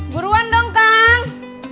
buruan dong kang